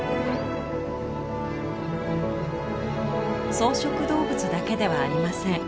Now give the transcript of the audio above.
草食動物だけではありません。